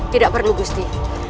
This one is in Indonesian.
tidak perlu gusti